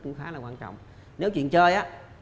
cũng khá là quan trọng nếu chuyện chơi á